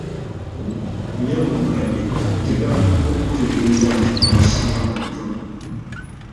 Nyabo mukadde, njagala okukutegeeza nti ono ssi mwana muto.